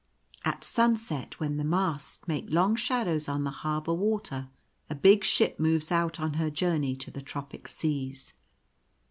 At sunset, when the masts make long shadows on the harbour water, a big ship moves out on her journey to the tropic seas.